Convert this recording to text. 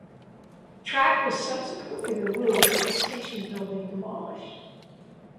The track was subsequently removed and the station building demolished.